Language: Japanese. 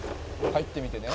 「入ってみてね」